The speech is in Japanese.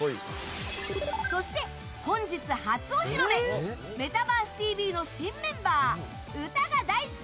そして、本日初お披露目「メタバースＴＶ！！」の新メンバー歌が大好き！